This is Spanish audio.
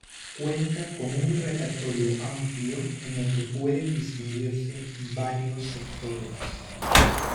Cuenta con un repertorio amplio en el que pueden distinguirse varios sectores.